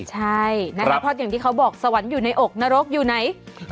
ใช่นะคะเพราะอย่างที่เขาบอกสวรรค์อยู่ในอกนรกอยู่ไหน